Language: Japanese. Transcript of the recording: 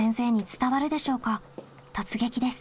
突撃です。